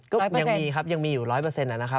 ก็ยังมีครับยังมีอยู่๑๐๐